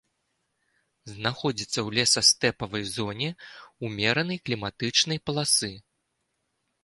Знаходзіцца ў лесастэпавай зоне ўмеранай кліматычнай паласы.